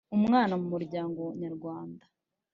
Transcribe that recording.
Umwana mu Muryango Nyarwanda